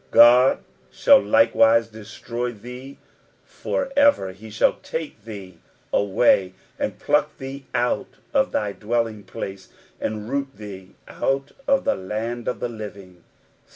5 God shall likewise destroy thee for ever, he shall take thee away, and pluck thee out of t/iy dwelling place, and root thee out of the land of the living.